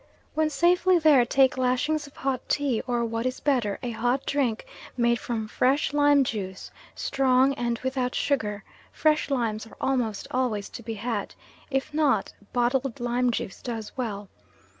When safely there take lashings of hot tea or, what is better, a hot drink made from fresh lime juice, strong and without sugar fresh limes are almost always to be had if not, bottled lime juice does well.